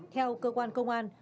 theo cơ quan công an